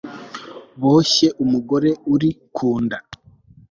boshye umugore uri ku nda